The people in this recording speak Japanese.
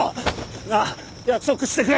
なあ約束してくれ。